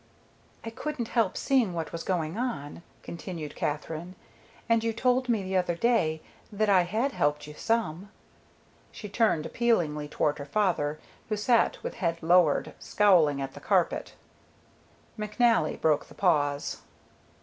"I couldn't help seeing what was going on," continued Katherine. "And you told me the other day that I had helped you some." She turned appealingly toward her father, who sat with head lowered, scowling at the carpet. McNally broke the pause.